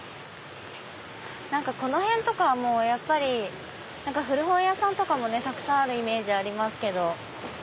何かこの辺とかは古本屋さんとかもたくさんあるイメージありますけど。